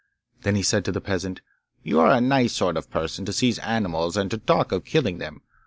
Then he said to the peasant, 'You are a nice sort of person to seize animals and to talk of killing them!